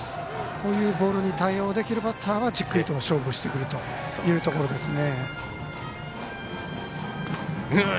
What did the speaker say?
こういうボールに対応できるバッターはじっくりと勝負してくるというところですね。